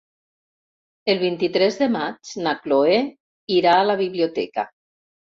El vint-i-tres de maig na Chloé irà a la biblioteca.